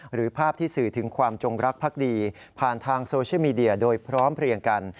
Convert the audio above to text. หรือภาพที่สื่อถึงความจงรักภักดีผ่านทางโซเชียลมีเดียโดยพร้อมเพลียงกัน